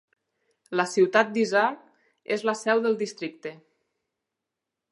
La ciutat d'Hisar és la seu del districte.